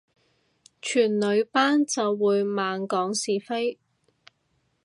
全女班就會猛講是非